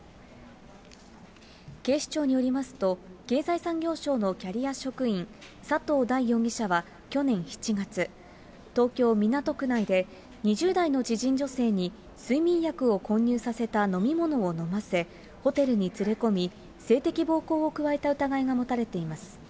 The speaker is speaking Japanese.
警視庁によりますと、経済産業省のキャリア職員、佐藤大容疑者は去年７月、東京・港区内で、２０代の知人女性に睡眠薬を混入させた飲み物を飲ませ、ホテルに連れ込み、性的暴行を加えた疑いが持たれています。